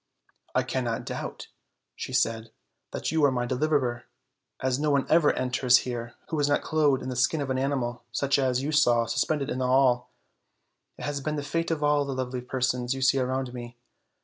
''I cannot doubt," she said, "that you are my deliverer, as no one ever enters here who is not clothed in the skin of an animal such as you saw suspended in the hall; it has been the fate of all the lovely persons you see around me.